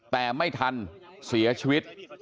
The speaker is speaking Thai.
แต่ไม่ทันเสียชีวิต